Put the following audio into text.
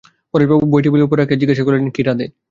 পরেশবাবু বই টেবিলের উপর রাখিয়া জিজ্ঞাসা করিলেন, কী রাধে?